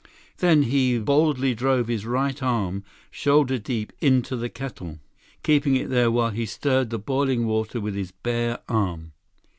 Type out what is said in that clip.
Then, he boldly drove his right arm shoulder deep into the kettle, keeping it there while he stirred the boiling water with his bare arm.